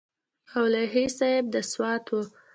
مولوي صاحب د سوات و.